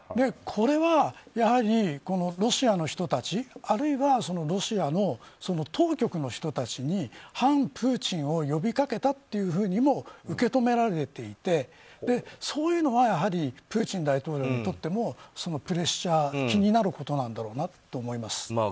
これはロシアの人たちあるいはロシアの当局の人たちに反プーチンを呼び掛けたというふうにも受け止められていてそういうのはプーチン大統領にとってもプレッシャー気になることなんだろうなと思います。